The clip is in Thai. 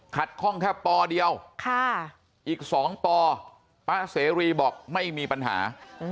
คล่องแค่ปเดียวอีก๒ปป้าเสรีบอกไม่มีปัญหา